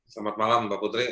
selamat malam mbak putri